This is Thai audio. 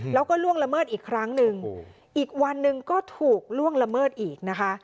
แล้วก็ล่วงละเมิดอีกครั้งหนึ่งอีกวันหนึ่งก็ถูกล่วงละเมิดอีกนะคะ